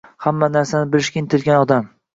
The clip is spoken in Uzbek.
Hamma narsani bilishga intilgan odam